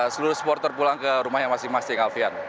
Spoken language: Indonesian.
seluruh supporter pulang ke rumah yang masih masih ngalfian